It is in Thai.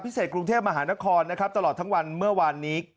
กรุงเทพมหานครนะครับตลอดทั้งวันเมื่อวานนี้